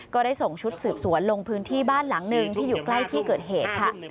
ก็ได้ส่งชุดสืบสวนลงพื้นที่บ้านหลังหนึ่งที่อยู่ใกล้ที่เกิดเหตุค่ะ